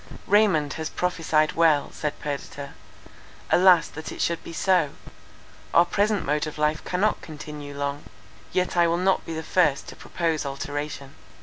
"Raymond has prophesied well," said Perdita, "alas, that it should be so! our present mode of life cannot continue long, yet I will not be the first to propose alteration.